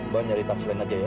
biar nyari taksikan aja ya